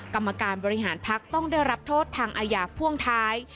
กรรมการบริหารพักต้องได้รับโทษทางอาญาพ่วงท้าย